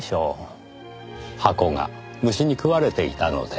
箱が虫に食われていたので。